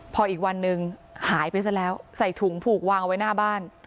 พออีกวันหนึ่งหายไปซะแล้วใส่ถุงผูกวางเอาไว้หน้าบ้าน